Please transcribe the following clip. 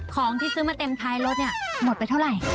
ของที่ซื้อมาเต็มท้ายรถเนี่ยหมดไปเท่าไหร่